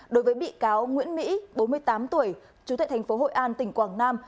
đối với bị cáo nguyễn mỹ bốn mươi tám tuổi chú thệ thành phố hội an tỉnh quảng nam